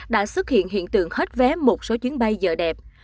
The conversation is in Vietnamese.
đã xuất hiện hiện tượng hết vé một số chuyến bay giờ đẹp